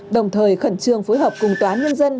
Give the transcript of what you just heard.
đồng thời khẩn trương phối hợp cùng tòa nhân dân